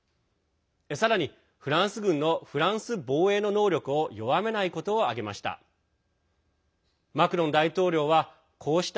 さらに、フランス軍のフランス防衛の能力を弱めないことを挙げました。